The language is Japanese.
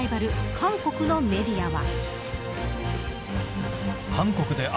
韓国のメディアは。